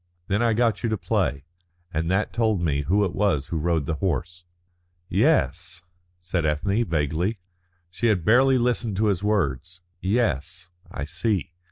Then I got you to play, and that told me who it was who rode the horse." "Yes," said Ethne, vaguely. She had barely listened to his words. "Yes, I see."